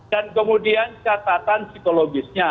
dan kemudian catatan psikologisnya